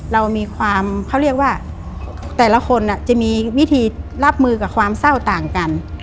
เรามีความเขาเรียกว่าแต่ละคนจะมีวิธีรับมือกับความเศร้าต่างกัน